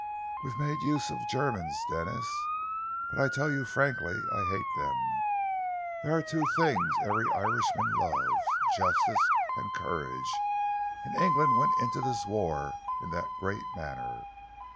We've made use of Germans, Denis, but I tell you frankly I hate them. There are two things every Irishman loves justice and courage and England went into this war in the great manner.